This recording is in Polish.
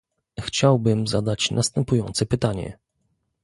Chciałbym zadać następujące pytanie